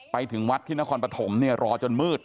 ไปถึงวัดที่นครปฐมรอจนมืด